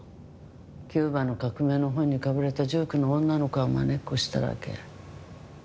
キューバの革命の本にかぶれた１９の女の子がまねっこしただけ。